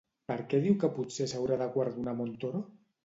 Per què diu que potser s'haurà de guardonar Montoro?